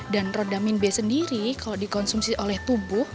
dan rhodamin b sendiri kalau dikonsumsi oleh tubuh